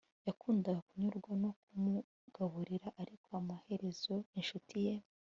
yakundaga kunyurwa no kumugaburira, ariko amaherezo inshuti ye